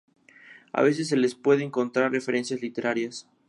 A veces se les pueden encontrar referencias literarias.